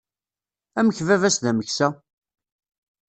Amek baba-s d ameksa?